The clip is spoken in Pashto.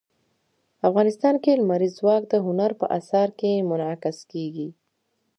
افغانستان کې لمریز ځواک د هنر په اثار کې منعکس کېږي.